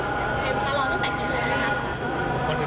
ตอนนี้เป็นครั้งหนึ่งครั้งหนึ่ง